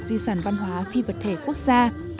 di sản văn hóa phi vật thể quốc gia